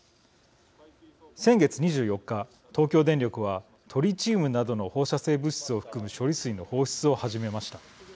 先月２４日、東京電力はトリチウムなどの放射性物質を含む処理水の放出を始めました。